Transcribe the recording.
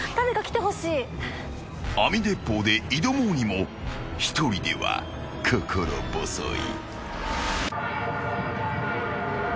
［網鉄砲で挑もうにも一人では心細い］